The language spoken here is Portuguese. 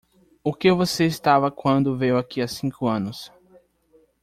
O que você estava quando veio aqui há cinco anos?